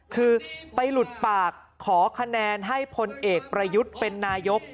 คือไปหลุดปากขอคะแนนให้พลเอกประยุทธ์เป็นนายก